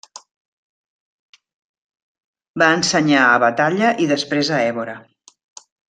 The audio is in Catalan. Va ensenyar a Batalha i després a Évora.